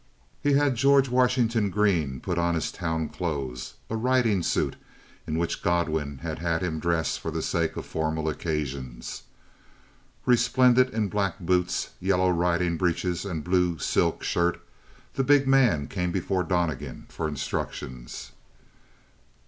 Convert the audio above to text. He had George Washington Green put on his town clothes a riding suit in which Godwin had had him dress for the sake of formal occasions. Resplendent in black boots, yellow riding breeches, and blue silk shirt, the big man came before Donnegan for instructions.